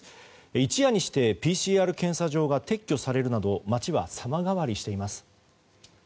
一夜にしてＰＣＲ検査場が撤去されるなど街は様変わりしています。